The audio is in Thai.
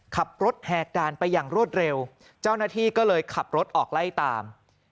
ขับรถแหกด่านไปอย่างรวดเร็วเจ้าหน้าที่ก็เลยขับรถออกไล่ตาม